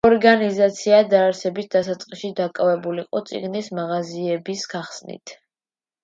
ორგანიზაცია დაარსების დასაწყისში დაკავებული იყო წიგნის მაღაზიების გახსნით.